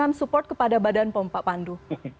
memberikan support kepada badan pom pak pandu